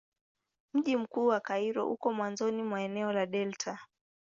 Mji mkuu wa Kairo uko mwanzoni mwa eneo la delta.